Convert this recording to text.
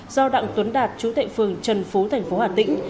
do đặng tuấn đạt chú tệ phường trần phú thành phố hà tĩnh